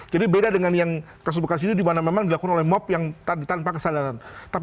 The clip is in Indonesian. jadi beda dengan yang kasus bekas ini di mana memang dilakukan oleh mob yang tadi tanpa kesalahan